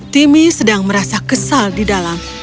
timmy sedang merasa kesal di dalam